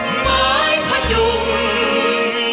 ยังมั่นใจรักชาติของอาจรัน